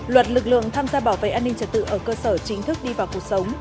luật lực lượng tham gia bảo vệ an ninh trật tự ở cơ sở chính thức đi vào cuộc sống